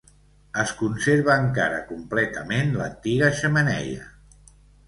Es conserva encara completament l'antiga xemeneia.